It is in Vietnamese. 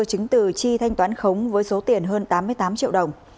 chứng từ chi thanh toán khống với số tiền hơn tám mươi tám triệu đồng